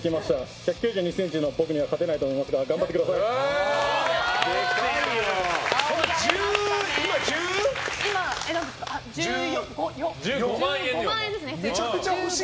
１９２ｃｍの僕には勝てないと思いますが今、１５万円ですね。